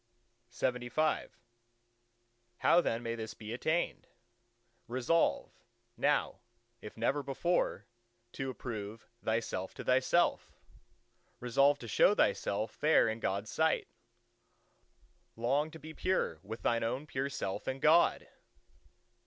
LXXVI How then may this be attained?—Resolve, now if never before, to approve thyself to thyself; resolve to show thyself fair in God's sight; long to be pure with thine own pure self and God!